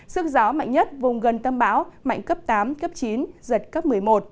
sức gió mạnh nhất vùng gần tâm áp thấp nhiệt đới mạnh cấp tám cấp chín dật cấp một mươi một